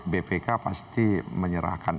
bpk pasti menyerahkan